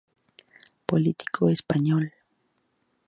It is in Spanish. Político español.